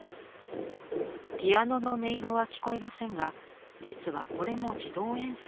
ピアノの音色は聞こえませんが実はこれも自動演奏。